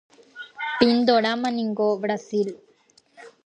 Pindorámaniko Brasil.